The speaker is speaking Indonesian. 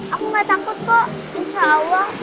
aku gak takut kok insya allah